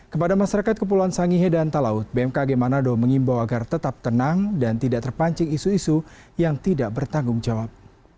kepada masyarakat kepulauan sangihe dan talaut bmkg manado mengimbau agar tetap tenang dan tidak terpancing isu isu yang tidak bertanggung jawab